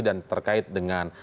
dan terkait dengan